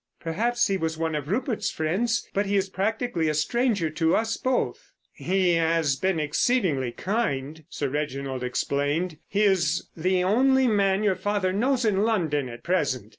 "Perhaps he was one of Rupert's friends, but he is practically a stranger to us both." "He has been exceedingly kind," Sir Reginald explained. "He is the only man your father knows in London at present.